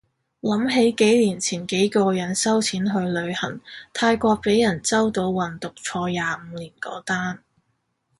諗起幾年前幾個人收錢去旅行，泰國被人周到運毒坐廿五年嗰單